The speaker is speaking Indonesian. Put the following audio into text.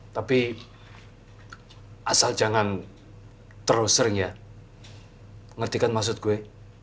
tapi asal jangan terlalu sering ya ngerti kan maksud gue